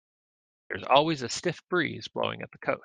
There's always a stiff breeze blowing at the coast.